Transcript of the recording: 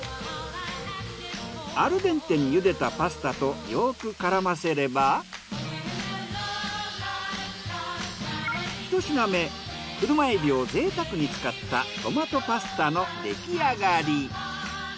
アルデンテに茹でたパスタとよく絡ませればひと品目車海老を贅沢に使ったトマトパスタの出来上がり。